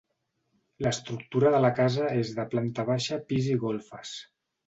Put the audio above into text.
L'estructura de la casa és de planta baixa, pis i golfes.